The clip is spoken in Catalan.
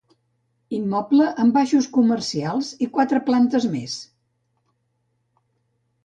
Immoble amb baixos comercials i quatre plantes més.